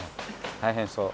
大変そう。